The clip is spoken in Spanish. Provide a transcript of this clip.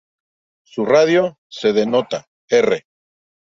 Su radio se denota "R".